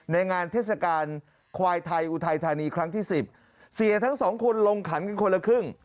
ในงานเทศกาลควายไทยอุทัยธานีครั้งที่สิบเสียทั้งสองคนลงขันกันคนละครึ่ง